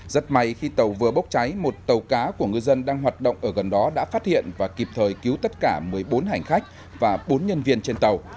rất may khi tàu vừa bốc cháy một tàu cá của ngư dân đang hoạt động ở gần đó đã phát hiện và kịp thời cứu tất cả một mươi bốn hành khách và bốn nhân viên trên tàu